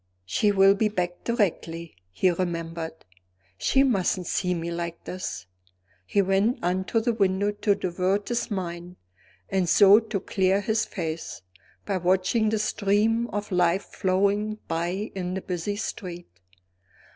"She will be back directly," he remembered; "she mustn't see me like this!" He went on to the window to divert his mind (and so to clear his face) by watching the stream of life flowing by in the busy street.